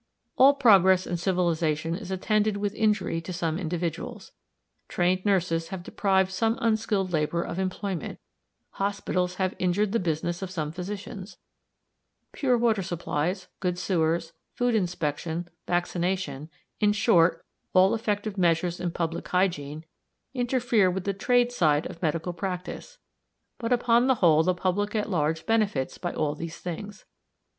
All progress in civilization is attended with injury to some individuals. Trained nurses have deprived some unskilled labour of employment; hospitals have injured the business of some physicians; pure water supplies, good sewers, food inspection, vaccination, in short, all effective measures in public hygiene, interfere with the trade side of medical practice; but upon the whole the public at large benefits by all these things.